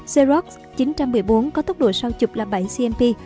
xerox chín trăm một mươi bốn có tốc độ sao chụp là bảy cmp